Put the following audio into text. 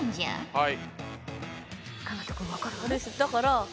はい。